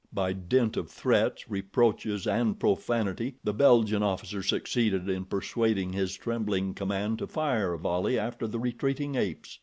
By dint of threats, reproaches and profanity the Belgian officer succeeded in persuading his trembling command to fire a volley after the retreating apes.